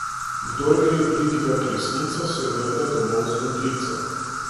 Kdor gre pridigat resnico, se vrne domov z modrico.